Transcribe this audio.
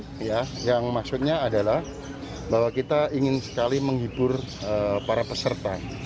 ya yang maksudnya adalah bahwa kita ingin sekali menghibur para peserta